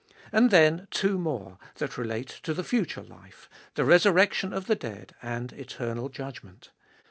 And then two more, that relate to the future life : the resurrection of the dead and eternal judgment.